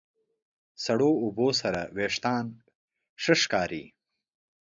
سړو اوبو سره وېښتيان ښه ښکاري.